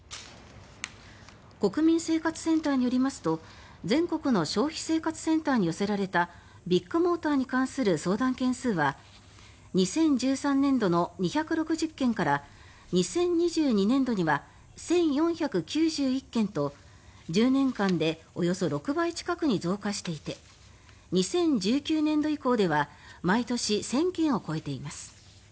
国民生活センターによりますと全国の消費生活センターに寄せられたビッグモーターに関する相談件数は２０１３年度の２６０件から２０２２年度には１４９１件と、１０年間でおよそ６倍近くに増加していて２０１９年度以降では毎年１０００件を超えています。